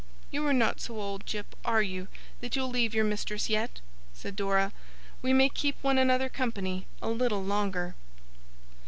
'You are not so old, Jip, are you, that you'll leave your mistress yet?' said Dora. 'We may keep one another company a little longer!